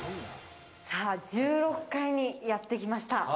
さぁ、１６階にやってきました。